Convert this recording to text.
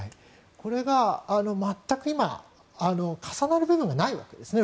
これが全く今重なる部分がないわけですね。